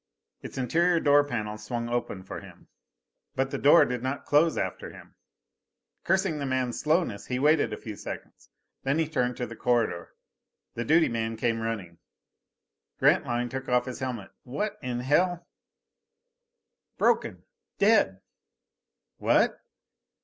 Its interior door panel swung open for him. But the door did not close after him! Cursing the man's slowness, he waited a few seconds. Then he turned to the corridor. The duty man came running. Grantline took off his helmet. "What in hell " "Broken! Dead!" "What!"